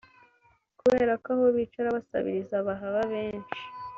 Kubera ko aho bicara basabiriza bahaba benshi